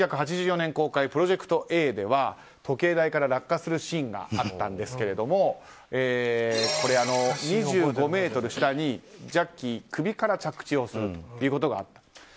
１９８４年公開の「プロジェクトＡ」では時計台から落下するシーンがあるんですけれども２５ｍ下にジャッキー、首から着地をするということがあった。